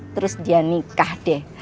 terus dia nikah deh